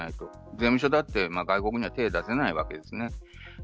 税務署だって外国には手が出せないわけですね。